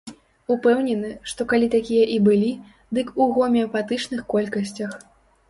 Упэўнены, што калі такія і былі, дык у гомеапатычных колькасцях.